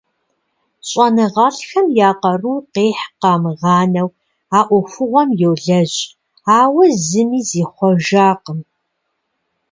ЩӀэныгъэлӀхэм я къару къихь къамыгъанэу а Ӏуэхугъуэм йолэжь, ауэ зыми зихъуэжакъым.